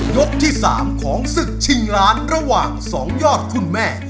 ยกที่๓ของศึกชิงล้านระหว่าง๒ยอดคุณแม่